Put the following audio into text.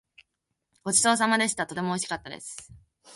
ごちそうさまでした。とてもおいしかったです。